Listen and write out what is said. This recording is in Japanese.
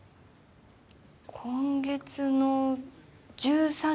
今月の１３日です。